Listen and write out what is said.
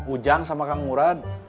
ujang sama kang murad